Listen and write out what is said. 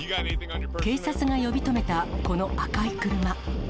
警察が呼び止めたこの赤い車。